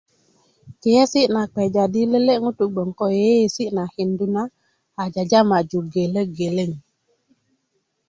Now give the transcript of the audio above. kpiyesi na kpeja di lele ŋutu bgoŋ ko yeiyesi na na kindu na a jajamaju geleŋ geleŋ